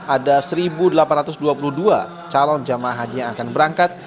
ada satu delapan ratus dua puluh dua calon jamaah haji yang akan berangkat